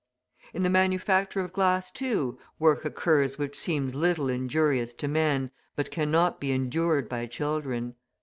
In the manufacture of glass, too, work occurs which seems little injurious to men, but cannot be endured by children.